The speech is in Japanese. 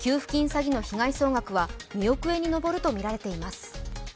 詐欺の被害総額は２億円に上るとみられています。